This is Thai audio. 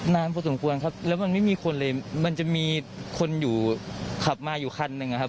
นานพอสมควรครับแล้วมันไม่มีคนเลยมันจะมีคนอยู่ขับมาอยู่คันหนึ่งอะครับ